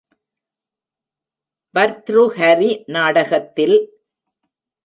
பர்த்ருஹரி நாடகத்தில்